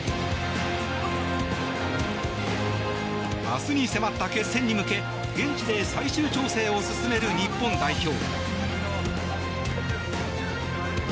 明日に迫った決戦に向け現地で最終調整を進める日本代表。